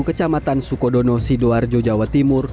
kecamatan sukodono sidoarjo jawa timur